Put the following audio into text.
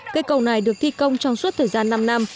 cây cầu này được thi công trong suốt thời gian năm năm